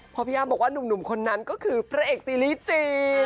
พอพี่อ้ำบอกว่าหนุ่มคนนั้นก็คือพระเอกซีรีส์จี